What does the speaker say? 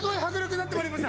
なってまいりました。